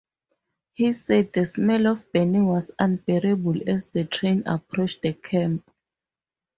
He said the smell of burning was unbearable as the train approached the camp.